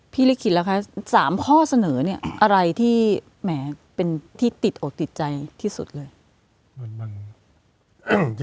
ลิขิตแล้วคะ๓ข้อเสนอเนี่ยอะไรที่แหมเป็นที่ติดอกติดใจที่สุดเลย